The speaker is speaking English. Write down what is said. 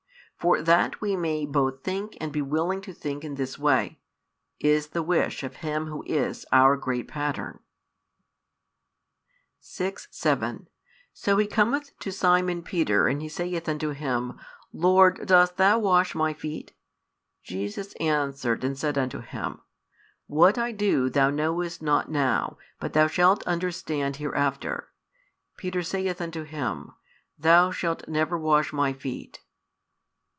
For that we may both think and be willing to think in this way, is the wish of Him Who is our great Pattern. |176 6, 7 So He cometh to Simon Peter, and he saith unto Him, Lord, dost Thou wash my feet? Jesus answered and said unto him, What I do thou knowest not now, but thou shalt understand hereafter. Peter saith unto Him, Thou shalt never wash my feet.